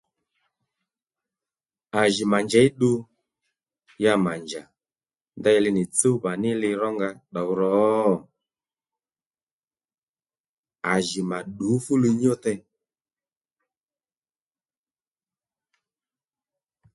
À jì mà njěy ddu ya mà nja ndeyli nì tsúwbà ní li ró nga tdǒ ro? À jì mà tdǔ fúli nyú tey